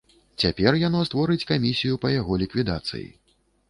Цяпер яно створыць камісію па яго ліквідацыі.